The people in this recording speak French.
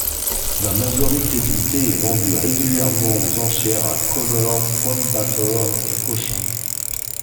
La majorité du thé est vendu régulièrement aux enchères à Coonoor, Coimbatore et Cochin.